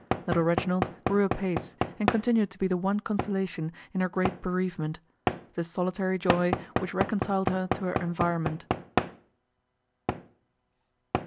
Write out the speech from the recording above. Little Reginald grew apace, and continued to be the one consolation in her great bereavement the solitary joy which reconciled her to her environment.